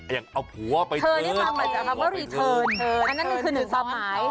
อย่างเอาหัวไปเทินไปเทินอันนั้นคือหนึ่งสามหมาย